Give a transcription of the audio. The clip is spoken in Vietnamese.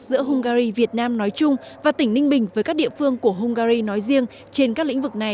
giữa hungary việt nam nói chung và tỉnh ninh bình với các địa phương của hungary nói riêng trên các lĩnh vực này